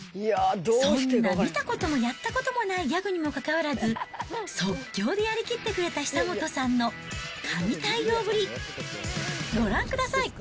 そんな見たこともやったこともないギャグにもかかわらず、即興でやりきってくれた久本さんの神対応ぶり、ご覧ください。